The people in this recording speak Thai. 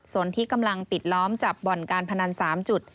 ส่วนที่กำลังปิดล้อมจับบ่อนการพนัน๓จุด